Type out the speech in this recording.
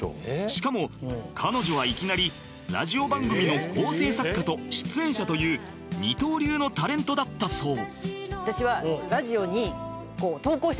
しかも彼女はいきなりラジオ番組の構成作家と出演者という二刀流のタレントだったそう